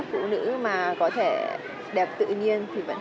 phụ nữ mà có thể đẹp tự nhiên thì vẫn